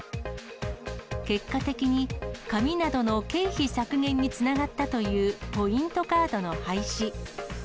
結果的に、紙などの経費削減につながったというポイントカードの廃止。